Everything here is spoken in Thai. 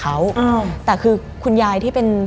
มันกลายเป็นรูปของคนที่กำลังขโมยคิ้วแล้วก็ร้องไห้อยู่